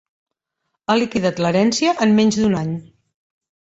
Ha liquidat l'herència en menys d'un any.